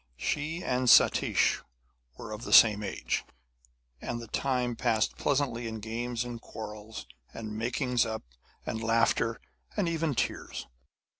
She and Satish were of the same age, and the time passed pleasantly in games and quarrels and makings up and laughter and even tears.